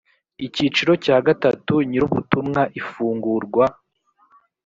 icyiciro cya gatatu nyirubutumwa ifungurwa